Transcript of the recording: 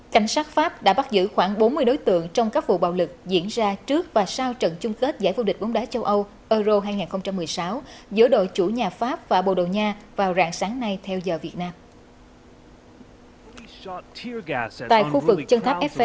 cảnh sát pháp đã bắt giữ khoảng bốn mươi đối tượng trong các vụ bạo lực diễn ra trước và sau trận chung kết giải vô địch bóng đá châu âu euro hai nghìn một mươi sáu giữa đội chủ nhà pháp và bồ đầu nha vào rạng sáng nay theo giờ việt nam